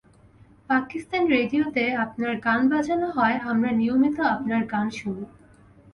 পাকিস্তান রেডিওতে আপনার গান বাজানো হয়, আমরা নিয়মিত আপনার গান শুনি।